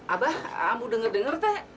abah kamu dengar dengar teh